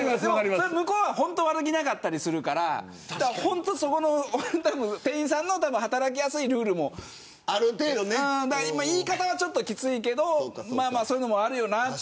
向こうは本当に悪気なかったりするから店員さんの働きやすいルールも言い方はきついけどそういうのもあるよなと。